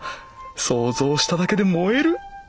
想像しただけでもえる！